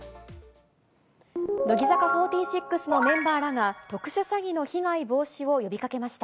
乃木坂４６のメンバーらが、特殊詐欺の被害防止を呼びかけました。